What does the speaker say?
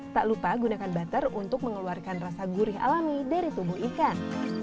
tak lupa gunakan butter untuk mengeluarkan rasa gurih alami dari tubuh ikan